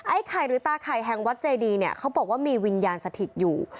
ไข่หรือตาไข่แห่งวัดเจดีเนี่ยเขาบอกว่ามีวิญญาณสถิตอยู่